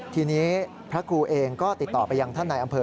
ทีนี้พระครูเองก็ติดต่อไปยังท่านในอำเภอ